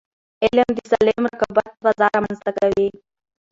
علم د سالم رقابت فضا رامنځته کوي.